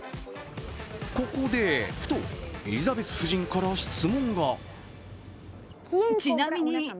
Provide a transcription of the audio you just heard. ここでふとエリザベス夫人から質問が。